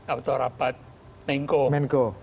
atau rapat menko